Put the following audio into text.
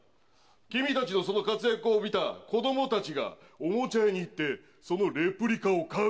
君たちのその活躍を見た子どもたちが、おもちゃ屋に行って、そのレプリカを買う。